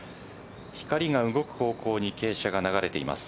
光が動く方向に傾斜が流れています。